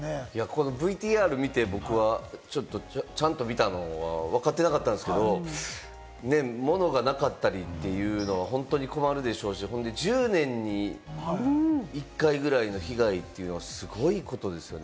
このＶＴＲを見て、僕はちゃんと見たのはわかってなかったですけど、物がなかったりというのは本当に困るでしょうし、１０年に１回ぐらいの被害というのはすごいことですよね。